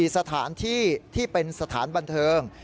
สถานที่ที่เป็นสถานบันเทิง